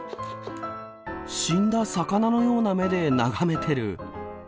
死んだ魚のような目で眺めてる。